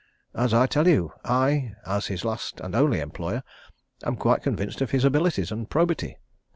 As I tell you, I, as his last and only employer, am quite convinced of his abilities and probity.